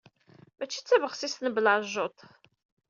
Mačči d tabexsist n Belɛejjuḍ!